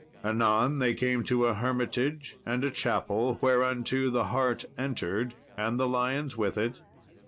Anon they came to a hermitage and a chapel, whereunto the hart entered, and the lions with it.